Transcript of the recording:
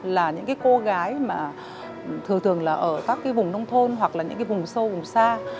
là những cái cô gái mà thường thường là ở các cái vùng nông thôn hoặc là những cái vùng sâu vùng xa